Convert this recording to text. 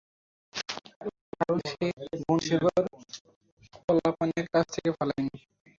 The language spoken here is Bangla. কারণ সে গুনশেখর কোল্লিয়াপ্পানের কাছ থেকে পালায়নি।